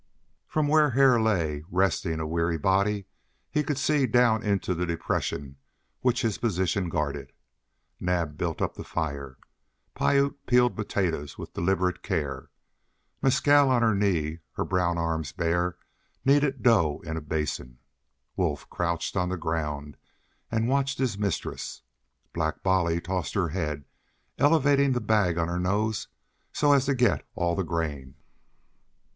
From where Hare lay, resting a weary body, he could see down into the depression which his position guarded. Naab built up the fire; Piute peeled potatoes with deliberate care; Mescal, on her knees, her brown arms bare, kneaded dough in a basin; Wolf crouched on the ground, and watched his mistress; Black Bolly tossed her head, elevating the bag on her nose so as to get all the grain.